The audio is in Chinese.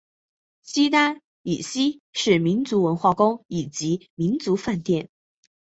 西单以西是民族文化宫以及民族饭店。